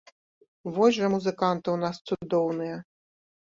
Вось жа музыканты ў нас цудоўныя!